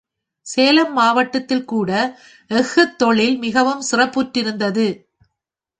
சேலம் மாவட்டத்தில் கூட எஃகுத் தொழில் மிகவும் சிறப்புற்றிருந்தது.